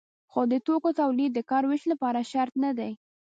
خو د توکو تولید د کار ویش لپاره شرط نه دی.